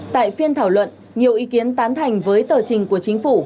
tại phiên thảo luận nhiều ý kiến tán thành với tờ trình của chính phủ